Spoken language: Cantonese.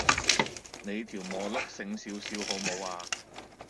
你條磨碌醒少少好無呀